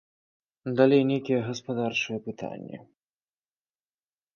Далей нейкія гаспадарчыя пытанні.